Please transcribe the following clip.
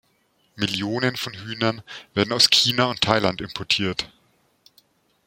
Millionen von Hühnern werden aus China und Thailand importiert.